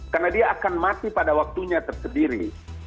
karena dia akan mati pada waktunya tersendiri